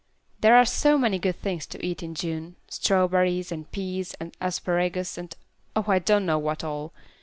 There are so many good things to eat in June; strawberries, and peas, and asparagus and oh, I don't know what all."